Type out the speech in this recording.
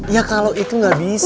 ya kalau itu nggak bisa